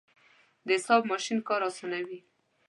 د حساب ماشین کار اسانوي.